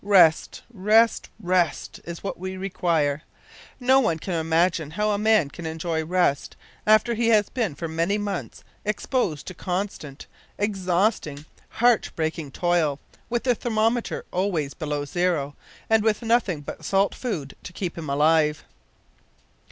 Rest! rest! rest! is what we require. No one can imagine how a man can enjoy rest, after he has been for many months exposed to constant, exhausting, heart breaking toil, with the thermometer always below zero, and with nothing but salt food to keep him alive.